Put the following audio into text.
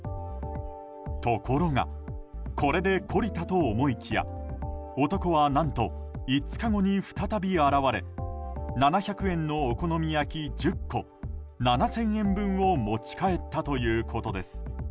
ところがこれで懲りたと思いきや男は、何と５日後に再び現れ７００円のお好み焼き１０個７０００円分を持ち帰ったということです。